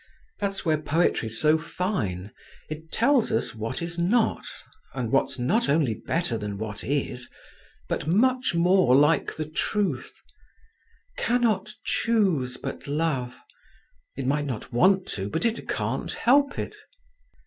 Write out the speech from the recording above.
"That's where poetry's so fine; it tells us what is not, and what's not only better than what is, but much more like the truth, 'cannot choose but love,'—it might want not to, but it can't help it."